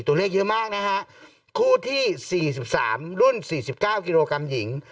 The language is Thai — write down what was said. ตัวเลขเยอะมากนะฮะคู่ที่๔๓รุ่น๔๙กิโลกรัมหญิง